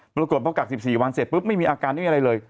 ปรากฏพอกัก๑๔วันเสร็จปุ๊บไม่มีอาการไม่มีอะไรเลย